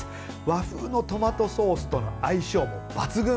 和風のトマトソースとの相性も抜群。